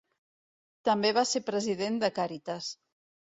També va ser president de Càritas.